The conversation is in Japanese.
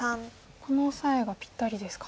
このオサエがぴったりですか。